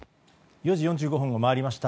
４時４５分を回りました。